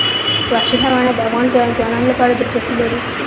وحشي حیوانات د افغان ځوانانو لپاره دلچسپي لري.